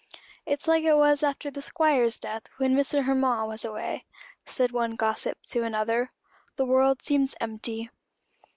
"It's like it was after the Squire's death, when miss and her ma was away," said one gossip to another; "the world seems empty."